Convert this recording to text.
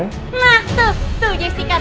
nah tuh tuh jessica tuh